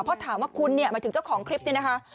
เพราะถามว่าคุณไงมาถึงเจ้าของคลิปนี่นะคะ